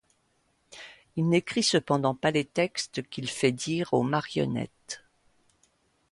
Il n'écrit cependant pas les textes qu'il fait dire aux marionnettes.